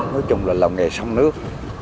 nói chung là lòng nghề sông nước